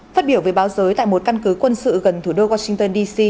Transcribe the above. phát biểu về báo giới tại một căn cứ quân sự gần thủ đô washington dc